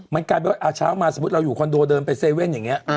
มันกลายเป็นว่าเช้ามาสมมุติเราอยู่คอนโดเดินไปเซเว่นอย่างนี้